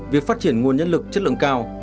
việc phát triển nguồn nhân lực chất lượng cao